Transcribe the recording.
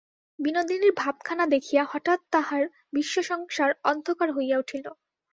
বিনোদিনীর ভাবখানা দেখিয়া হঠাৎ তাহার বিশ্বসংসার অন্ধকার হইয়া উঠিল।